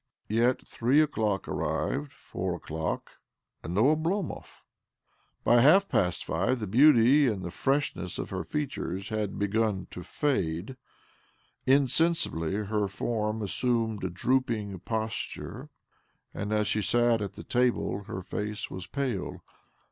Yet three o'clock arrived — four o'clock — and no Oblo mov. By half pa, st five the beauty and the freshness of her features had begun to fade. Insensibly her form assumed a drooping posture, and as she sat at the table her face was pale.